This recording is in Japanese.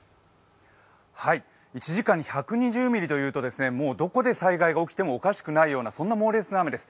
１時間に１２０ミリというと、どこで災害が起きてもおかしくないようなそんな猛烈な雨です。